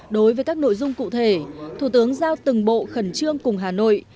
đối với các nội dung cụ thể thủ tướng giao từng bộ khẩn trương cùng hà nội